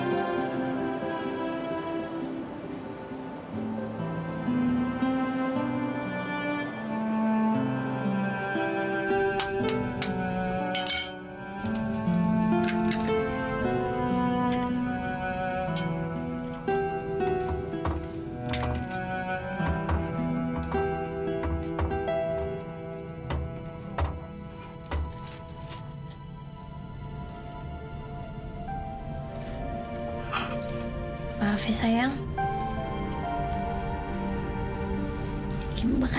terima kasih pak